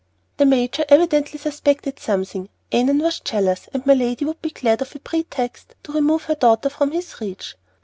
The major evidently suspected something, Annon was jealous, and my lady would be glad of a pretext to remove her daughter from his reach.